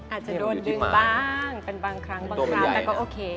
อาจจะโดนดึงบ้างเป็นบางครั้งแล้วก็โอเค